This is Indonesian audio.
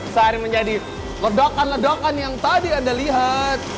sehari menjadi ledakan ledakan yang tadi anda lihat